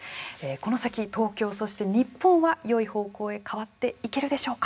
この先、東京そして日本はよい方向へ変わっていけるでしょうか。